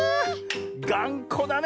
⁉がんこだね